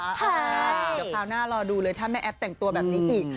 เดี๋ยวคราวหน้ารอดูเลยถ้าแม่แอฟแต่งตัวแบบนี้อีก